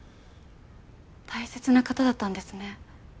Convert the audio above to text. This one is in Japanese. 大切な方だったんですね。